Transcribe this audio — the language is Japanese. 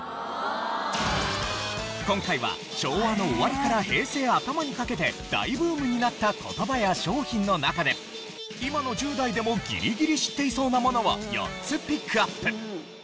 今回は昭和の終わりから平成頭にかけて大ブームになった言葉や商品の中で今の１０代でもギリギリ知っていそうなものを４つピックアップ。